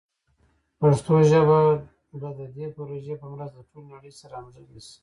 پښتو ژبه به د دې پروژې په مرسته د ټولې نړۍ سره همغږي شي.